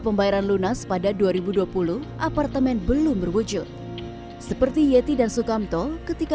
pembayaran lunas pada dua ribu dua puluh apartemen belum berwujud seperti yeti dan sukamto ketika